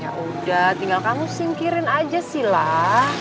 yaudah tinggal kamu singkirin aja silah